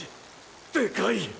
でかい！